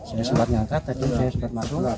ini sempat nyangkat tadi saya sempat masuk